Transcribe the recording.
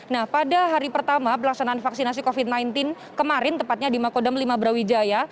nah pada hari pertama pelaksanaan vaksinasi covid sembilan belas kemarin tepatnya di makodam lima brawijaya